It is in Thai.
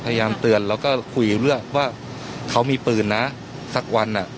พยายามเตือนแล้วก็คุยเรื่องว่าเขามีปืนนะสักวันอ่ะ